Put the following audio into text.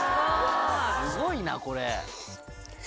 すごいなこれ。